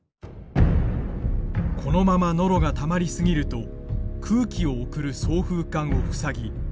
このままノロがたまり過ぎると空気を送る送風管を塞ぎ